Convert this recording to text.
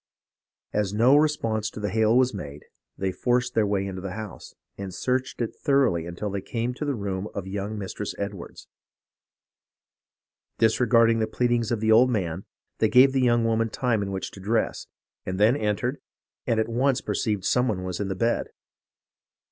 As no response to the hail was made, they forced their way into the house, and searched it thoroughly until they came to the room of young Mistress Edwards. Disregarding the pleadings of the old man, they gave the young woman time in which to dress, and then entered, and at once perceived some one in the bed.